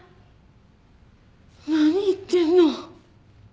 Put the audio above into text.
何言ってんの？